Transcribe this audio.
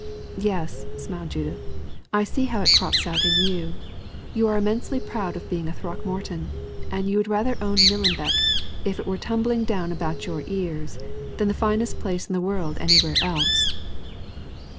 "Yes," smiled Judith; "I see how it crops out in you. You are immensely proud of being a Throckmorton, and you would rather own Millenbeck, if it were tumbling down about your ears, than the finest place in the world anywhere else."